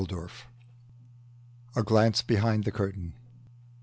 1842. A GLANCE BEHIND THE CURTAIN.